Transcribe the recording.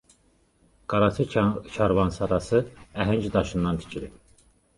Qaraçı karvansarası əhəng daşından tikilib.